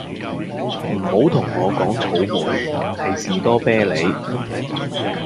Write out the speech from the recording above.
唔好再同我講草莓，係士多啤利